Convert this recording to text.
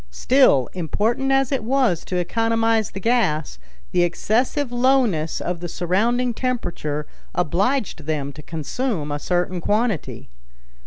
Still, important as it was to economize the gas, the excessive lowness of the surrounding temperature obliged them to consume a certain quantity.